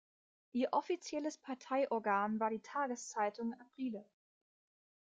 Ihr offizielles Parteiorgan war die Tageszeitung "Aprile.